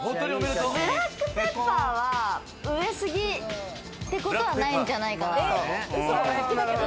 ブラックペッパーは上過ぎってことはないんじゃないかなと。